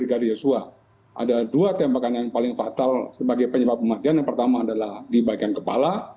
ada dua tembakan yang paling fatal sebagai penyebab kematian yang pertama adalah di bagian kepala